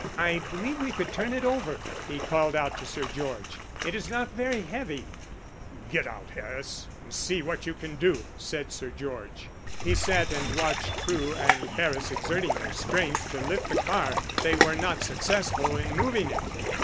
"I believe we could turn it over," he called out to Sir George. "It is not very heavy." "Get out, Harris, and see what you can do," said Sir George. He sat and watched Crewe and Harris exerting their strength to lift the car. They were not successful in moving it.